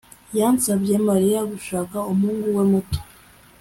Yasabye Mariya gushaka umuhungu we muto